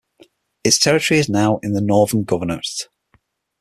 Its territory is now in the Northern Governorate.